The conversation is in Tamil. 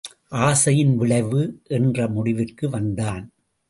ஆசையின் விளைவு! என்ற முடிவிற்கு வந்தான்.